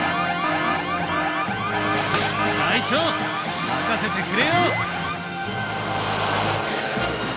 隊長任せてくれよ！